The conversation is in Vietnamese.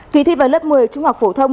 kỳ thi vào lớp một mươi trung học phổ thông